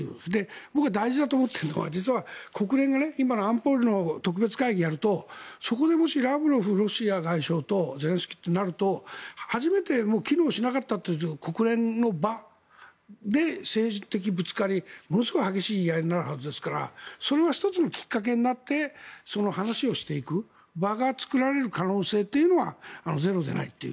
僕は大事だと持っているのは実は国連が今の特別会議をやるとそこでもしラブロフロシア外相とゼレンスキーとなると初めて機能しなかったという国連の場で政治的ぶつかりものすごく激しいやり合いになるはずですからそれは１つのきっかけになって話をしていく場が作られる可能性というのはゼロじゃないという。